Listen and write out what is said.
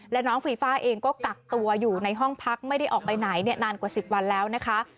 และน้องฟีฟ่าเองก็กักตัวอยู่ในห้องพักไม่ได้ออกไปไหนนานกว่า๑๐วันแล้วนะคะ